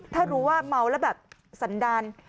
ถ้ารู้ว่าเมาแล้วแบบสันดาล